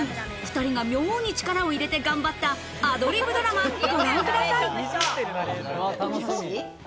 ２人が妙に力を入れて頑張ったアドリブドラマ、ご覧ください。もしもし？